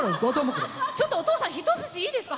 ちょっとお父さん一節いいですか？